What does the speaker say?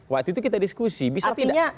waktu itu kita diskusi bisa tidak